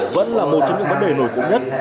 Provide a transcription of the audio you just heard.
vẫn là một trong những vấn đề nổi cụ nhất